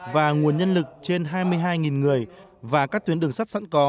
và nguồn nhân lực trên hai mươi hai người và các tuyến đường sắt sẵn có